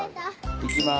行きます。